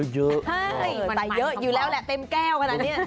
ใส่เยอะอยู่แล้วแหละเต็มแก้วกันอ่ะเนี่ย